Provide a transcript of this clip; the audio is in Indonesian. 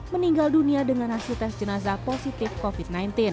meninggal dunia dengan hasil tes jenazah positif covid sembilan belas